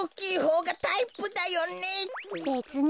べつに。